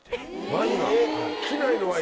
ワインが。